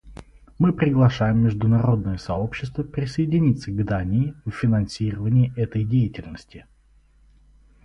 Мы приглашаем международное сообщество присоединиться к Дании в финансировании этой деятельности.